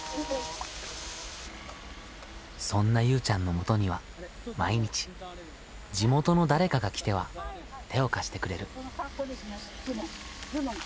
そんなゆうちゃんのもとには毎日地元の誰かが来ては手を貸してくれる。